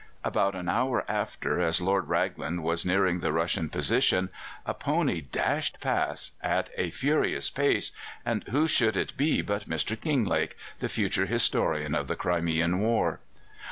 About an hour after, as Lord Raglan was nearing the Russian position, a pony dashed past at a furious pace, and who should it be but Mr. Kinglake, the future historian of the Crimean War?